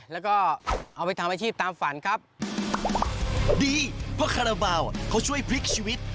แล้วก็เอาไปทำอาชีพตามฝันครับดีเพราะคาราบาลเขาช่วยพลิกชีวิต